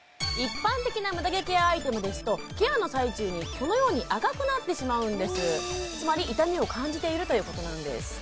一般的なムダ毛ケアアイテムですとケアの最中にこのように赤くなってしまうんですつまり痛みを感じているということなんです